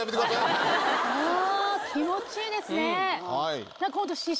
あ気持ちいいですね。